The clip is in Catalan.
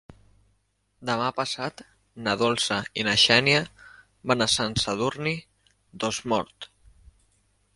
Demà passat na Dolça i na Xènia van a Sant Sadurní d'Osormort.